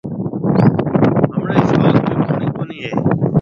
هڻيَ شاخ ۾ پوڻِي ڪونِي هيَ۔